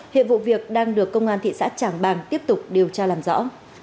hiện vụ việc đang được công an thị xã trảng bàng tiếp tục điều tra làm rõ